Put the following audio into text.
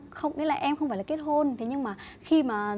không biết là em không phải là kết hôn thế nhưng mà khi mà